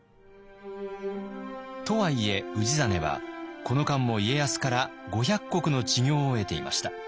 とはいえ氏真はこの間も家康から５００石の知行を得ていました。